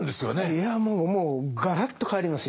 いやもうもうガラッと変わりますよ。